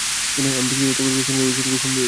আমি ব্যক্তিগতভাবে প্রেসিডেন্ট উইলসনকে ফোন দিয়েছি।